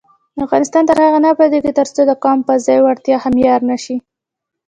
افغانستان تر هغو نه ابادیږي، ترڅو د قوم پر ځای وړتیا معیار نشي.